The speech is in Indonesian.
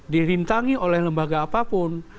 dirintangi oleh lembaga apapun